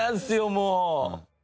もう。